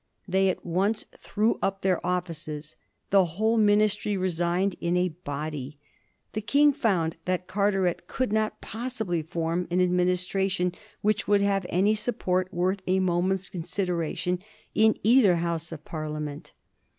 They at once threw up their offices ; the whole Ministry resigned in a body. The King found that Carteret could not possibly form an administration which would have any support worth a moment's consideration in either House of Par liament.